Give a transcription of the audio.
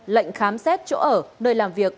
lệnh khám xét chỗ ở nơi làm việc